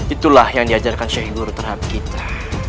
itulah yang diajarkan sheikh guru terhadap kita